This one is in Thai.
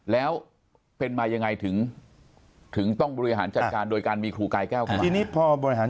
แล้วเป็นมายังไงถึงถึงต้องบริหารจัดการโดยการมีครูกายแก้วขึ้นมาทีนี้พอบริหาร